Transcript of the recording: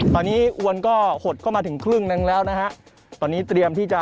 ตอนนี้อวนก็หดเข้ามาถึงครึ่งหนึ่งแล้วนะฮะตอนนี้เตรียมที่จะ